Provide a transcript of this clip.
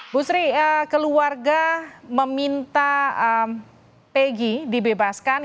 ibu sri keluarga meminta peggy dibebaskan